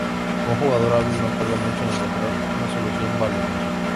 Un jugador hábil no tarda mucho en encontrar una solución válida.